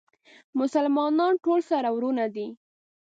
مسلمانان ټول سره وروڼه دي